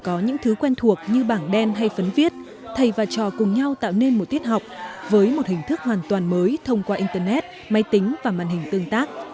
có những thứ quen thuộc như bảng đen hay phấn viết thầy và trò cùng nhau tạo nên một tiết học với một hình thức hoàn toàn mới thông qua internet máy tính và màn hình tương tác